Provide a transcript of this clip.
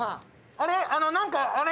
あの何かあれ？